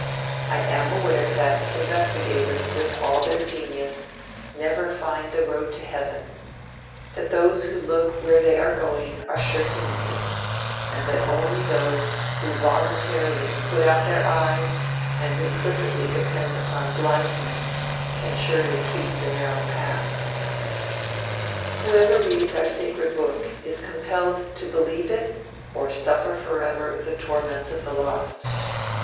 I am aware that investigators with all their genius, never find the road to heaven; that those who look where they are going are sure to miss it, and that only those who voluntarily put out their eyes and implicitly depend upon blindness can surely keep the narrow path. Whoever reads our sacred book is compelled to believe it or suffer forever the torments of the lost.